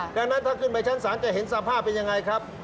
ดังนั้นถ้าขึ้นไปชั้นศาลจะเห็นสภาพเป็นยังไงครับ